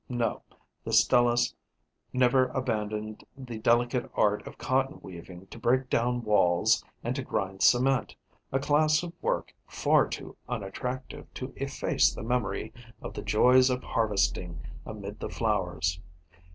No, the Stelis never abandoned the delicate art of cotton weaving to break down walls and to grind cement, a class of work far too unattractive to efface the memory of the joys of harvesting amid the flowers.